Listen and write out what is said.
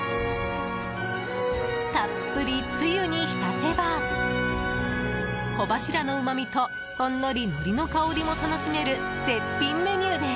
たっぷりつゆに浸せば小柱のうま味とほんのり、のりの香りも楽しめる絶品メニューです。